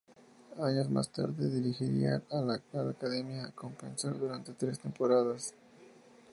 Años más tarde dirigiría al Academia Compensar durante tres temporadas.